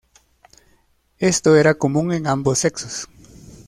Esto era común en ambos sexos.